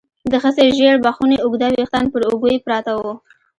د ښځې ژېړ بخوني اوږده ويښتان پر اوږو يې پراته وو.